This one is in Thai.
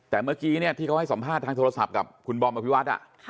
แต่เมื่อกี้เนี่ยที่เขาให้สัมภาษณ์ทางโทรศัพท์กับคุณบอมและพี่วัด